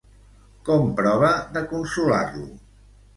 Com prova de consolar-lo?